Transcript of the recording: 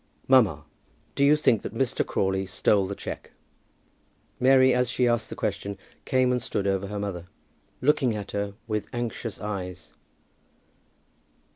"Mamma, do you think that Mr. Crawley stole the cheque?" Mary, as she asked the question, came and stood over her mother, looking at her with anxious eyes.